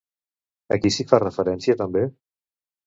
A qui s'hi fa referència també?